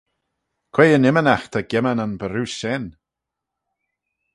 Quoi yn immanagh ta gimman yn barroose shen?